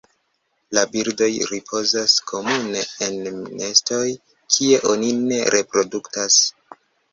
La birdoj ripozas komune en nestoj kie oni ne reproduktas.